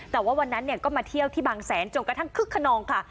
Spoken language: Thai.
แต่ว่าวันนั้นก็มาเที่ยวที่บางแสนจนกระทั่งคึกขนองค่ะ